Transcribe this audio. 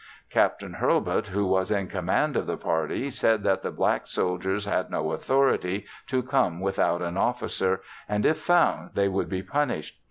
Capt. Hurlbut who was in command of the party said that the black soldiers had no authority to come without an officer and if found, they would be punished.